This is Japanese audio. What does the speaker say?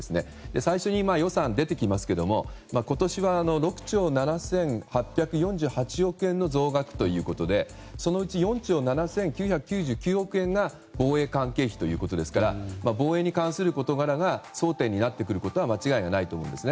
最初に予算、出てきますが今年は６兆７８４８億円の増額ということでそのうち４兆７９９９億円が防衛関係費ということですから防衛に関する事柄が争点になってくることは間違いないと思うんですね。